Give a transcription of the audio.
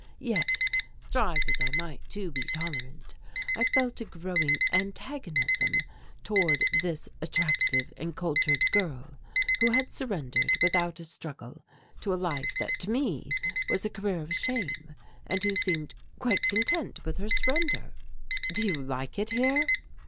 Yet, strive as I might to be tolerant, I felt a growing antagonism towards this attractive and cultured girl who had surrendered without a struggle to a life that to me was a career of shame and who seemed quite content with her surrender. "Do you like it here?"